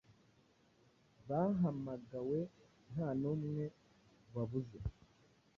Bahamagawe nta n’umwe wabuze.